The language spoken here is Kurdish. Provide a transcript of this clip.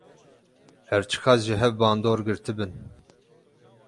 Her çi qas ji hev bandor girtibin.